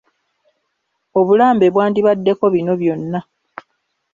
Obulambe bwandibaddeko bino byonna.